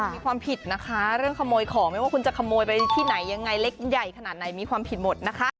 มีความผิดนะคะเรื่องขโมยของไม่ว่าคุณจะขโมยไปที่ไหนยังไงเล็กใหญ่ขนาดไหนมีความผิดหมดนะคะ